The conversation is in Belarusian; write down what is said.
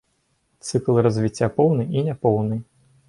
Цыкл развіцця поўны і няпоўны.